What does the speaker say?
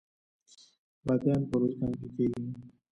بادیان په ارزګان کې کیږي